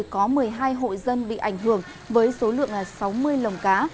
có một mươi hai hộ dân bị ảnh hưởng với số lượng sáu mươi lồng cá